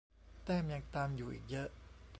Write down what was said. แต้มยังตามอยู่อีกเยอะ